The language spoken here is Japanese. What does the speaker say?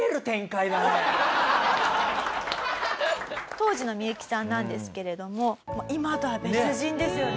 当時のミユキさんなんですけれども今とは別人ですよね